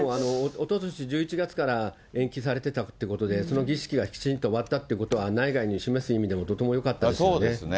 おととし１１月から延期されてたってことで、その儀式がきちんと終わったということは内外に示す意味でもとてもよかったですよね。